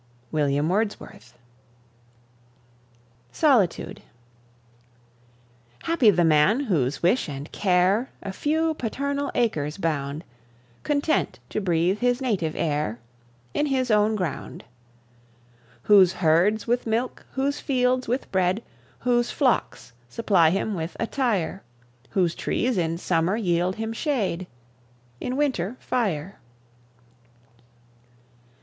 WILLIAM WORDSWORTH. SOLITUDE. Happy the man, whose wish and care A few paternal acres bound, Content to breathe his native air In his own ground. Whose herds with milk, whose fields with bread, Whose flocks supply him with attire; Whose trees in summer yield him shade, In winter fire.